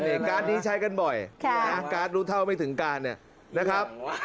เนี่ยการ์ดต้องใช้กันบ่อยการ์ดรู้เท่าไม่ถึงการนะครับ